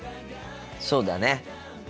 そうだね。